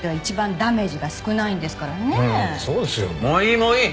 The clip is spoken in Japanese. もういいもういい！